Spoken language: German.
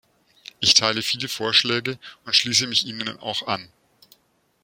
Ich teile viele Vorschläge und schließe mich ihnen auch an.